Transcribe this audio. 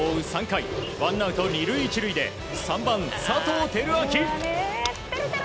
３回ワンアウト２塁１塁で３番、佐藤輝明。